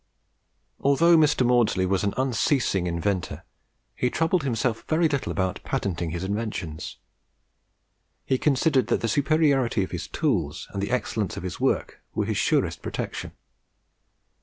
Although Mr. Maudslay was an unceasing inventor, he troubled himself very little about patenting his inventions. He considered that the superiority of his tools and the excellence of his work were his surest protection.